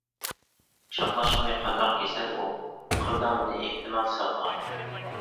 چاپلاشقىنى قانداق كېسەل ئۇ؟ قىلدىڭ مېنى ئېھتىمال سەۋدا.